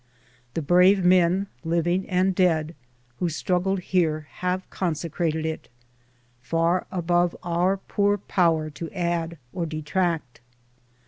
The brave men, living and dead, who struggled here have consecrated it, far above our poor power to add or detract.